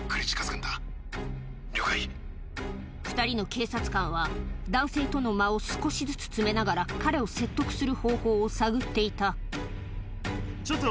２人の警察官は男性との間を少しずつ詰めながら彼を説得する方法を探っていたちょっと。